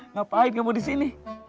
ngapain kamu disini